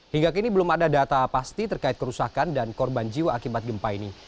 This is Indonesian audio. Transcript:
hingga kini belum ada data pasti terkait kerusakan dan korban jiwa akibat gempa ini